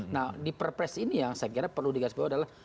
nah diperpres ini yang saya kira perlu digaris bawah adalah